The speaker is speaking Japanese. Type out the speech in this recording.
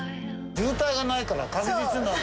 渋滞がないから確実なんだ。